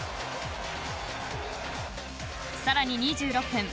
さらに２６分。